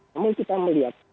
namun kita melihat